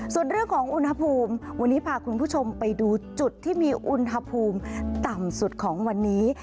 ส่วนเรื่องของอุณหภูมิวันนี้พาคุณผู้ชมไปดูจุดที่มีอุณหภูมิต่ำสุดของวันนี้